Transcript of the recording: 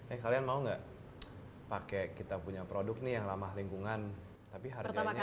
eh kalian mau nggak pakai kita punya produk nih yang ramah lingkungan tapi harganya